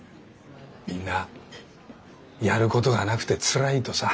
みんなやることがなくてつらいとさ。